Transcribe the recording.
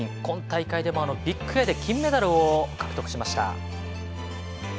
今大会でもビッグエアで金メダルを獲得しました。